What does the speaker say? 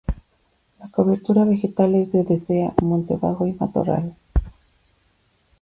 La cobertura vegetal es de dehesa, monte bajo y matorral.